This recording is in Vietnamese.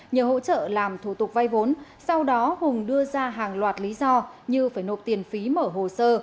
nhờ hỗ trợ làm thủ tục vay vốn sau đó hùng đưa ra hàng loạt lý do như phải nộp tiền phí mở hồ sơ